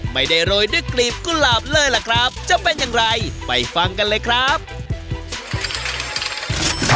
ไม่ได้โรยด้วยกลีบกุหลาบเลยล่ะครับจะเป็นอย่างไรไปฟังกันเลยครับ